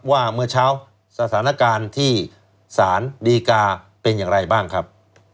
ว่าเมื่อเช้าสถานการณ์ที่สารดีกาเป็นอย่างไรบ้างครับ